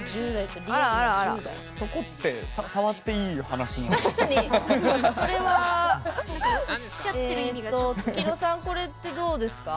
そこって触っていい話ですか。